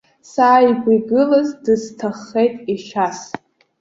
Сааигәа игылаз дысҭаххеит ешьас.